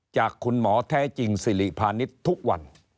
จากคุณหมอแท้จริงสิริพาณิชย์ทุกวัน